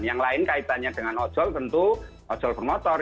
yang lain kaitannya dengan ojol tentu ojol bermotor